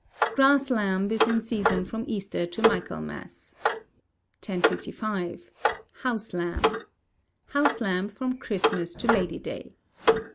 Grass Lamb is in season from Easter to Michaelmas. 1055. House Lamb. House Lamb from Christmas to Lady day.